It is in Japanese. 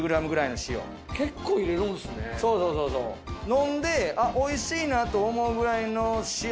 飲んでおいしいなと思うぐらいの塩。